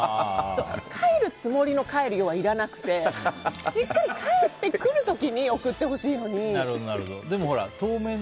帰るつもりの帰るよはいらなくてしっかり帰ってくる時に送ってほしいのに。